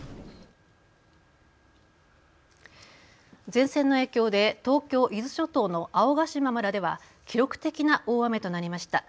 前線の影響で東京伊豆諸島の青ヶ島村では記録的な大雨となりました。